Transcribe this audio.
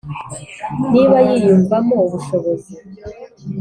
niba yiyumva mo ubushobozi,